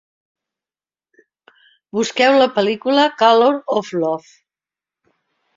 Busqueu la pel·lícula Colour of Love.